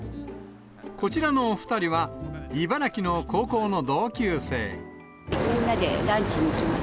こちらのお２人は、みんなでランチに行きます。